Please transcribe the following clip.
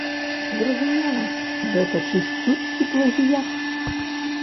Зразумела, гэта чысцюткі плагіят.